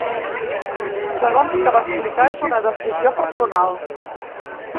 Segons que va explicar, és una decisió personal.